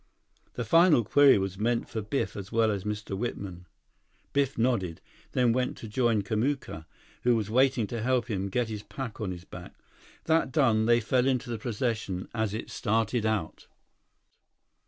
The final query was meant for Biff as well as Mr. Whitman. Biff nodded, then went to join Kamuka, who was waiting to help him get his pack on his back. That done, they fell into the procession as it started out.